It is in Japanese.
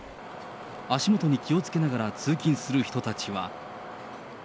足元に気をつけながら通勤する人たちは。